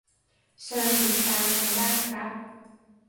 เชิญติดตามกันได้ครับ